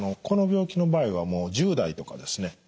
この病気の場合は１０代とかですね